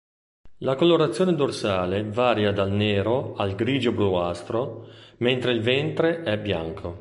La colorazione dorsale varia dal nero al grigio-bluastro, mentre il ventre è bianco.